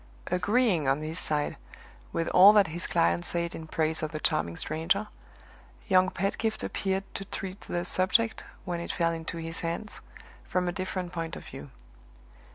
Agreeing, on his side, with all that his client said in praise of the charming stranger, young Pedgift appeared to treat the subject, when it fell into his hands, from a different point of view.